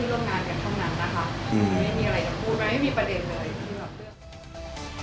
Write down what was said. ไม่มีอะไรจะพูดไม่มีประเด็นเลย